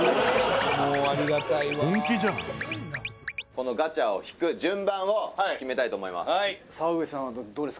「このガチャを引く順番を決めたいと思います」